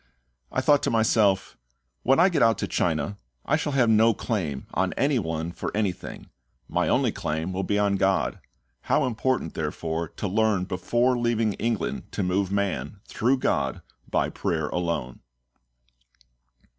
I thought to myself, "When I get out to China, I shall have no claim on any one for anything; my only claim will be on GOD. How important, therefore, to learn before leaving England to move man, through GOD, by prayer alone."